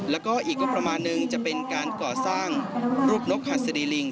แล้วก็อีกก็ประมาณนึงจะเป็นการก่อสร้างรูปนกหัสดีลิง